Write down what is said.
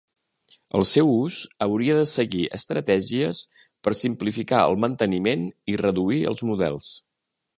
El seu ús hauria de seguir estratègies per simplificar el manteniment i reduir els models.